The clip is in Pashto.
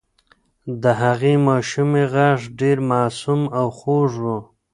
د هغې ماشومې غږ ډېر معصوم او خوږ و.